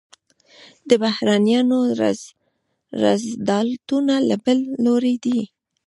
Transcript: د بهرنیانو رذالتونه له بل لوري دي.